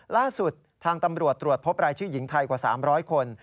ล่าสุดทางตำรวจตรวจพบรายชื่อหญิงไทยกว่า๓๐๐คน